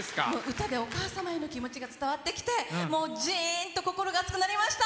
歌でお母様への気持ちが伝わってきてジーンと心が熱くなりました。